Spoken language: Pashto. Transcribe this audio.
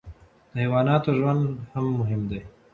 د حیواناتو ژوند هم مهم دی.